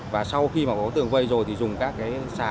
và sau khi mà có tường vây rồi thì dùng các cái xà